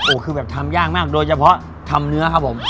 โอ้โหคือแบบทำยากมากโดยเฉพาะทำเนื้อครับผม